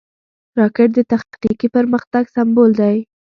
راکټ د تخنیکي پرمختګ سمبول دی